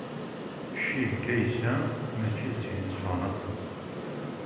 Ccil Kaysa mačči d tin itteffɣen aṭas.